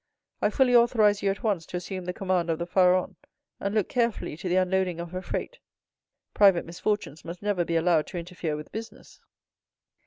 I fully authorize you at once to assume the command of the Pharaon, and look carefully to the unloading of her freight. Private misfortunes must never be allowed to interfere with business."